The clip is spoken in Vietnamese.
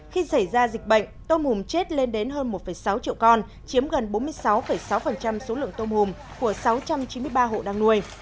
khi xảy ra dịch bệnh tôm hùm chết lên đến hơn một sáu triệu con chiếm gần bốn mươi sáu sáu số lượng tôm hùm của sáu trăm chín mươi ba hộ đang nuôi